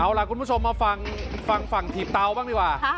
เอาล่ะคุณผู้ชมมาฟังฝั่งถีบเตาบ้างดีกว่า